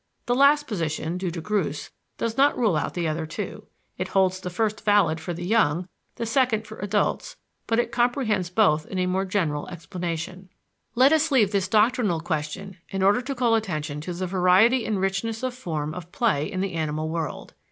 " The last position, due to Groos, does not rule out the other two; it holds the first valid for the young, the second for adults; but it comprehends both in a more general explanation. Let us leave this doctrinal question in order to call attention to the variety and richness of form of play in the animal world.